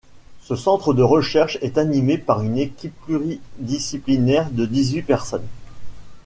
Ce centre de recherche est animé par une équipe pluridisciplinaire de dix-huit personnes.